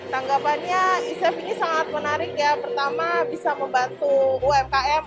tanggapannya isaf ini sangat menarik ya pertama bisa membantu umkm untuk menjualkan produknya mereka